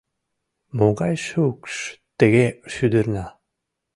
«Могай шукш тыге шӱдырна?»